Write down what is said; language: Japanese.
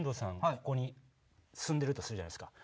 ここに進んでるとするじゃないですか。